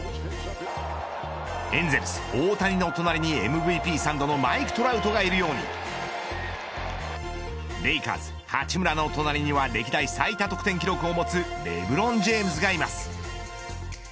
エンゼルス大谷の隣にＭＶＰ３度のマイク・トラウトがいるようにレイカーズ八村の隣には歴代最多得点記録を持つレブロン・ジェームズがいます。